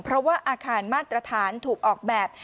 เพราะว่าอาคารมาตรฐานถูกออกแบบ